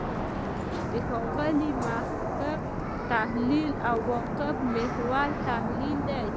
د ښاغلي محق تحلیل «عواقب محوره» تحلیل دی.